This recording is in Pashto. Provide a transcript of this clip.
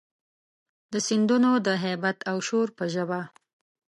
د سیندونو د هیبت او شور په ژبه،